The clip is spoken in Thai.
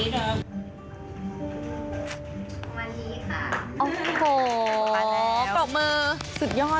เต็มไปเลย